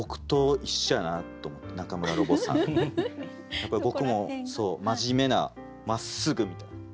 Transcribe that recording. やっぱり僕も真面目なまっすぐみたいな。